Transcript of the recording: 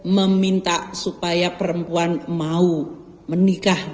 meminta supaya perempuan mau menikah